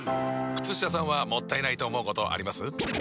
靴下さんはもったいないと思うことあります？